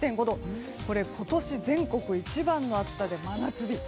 今年、全国一番の暑さで真夏日。